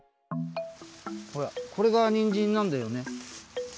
ほらこれがにんじんなんだよね。